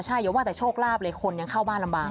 ใช่อย่าว่าแต่โชคลาภเลยคนยังเข้าบ้านลำบาก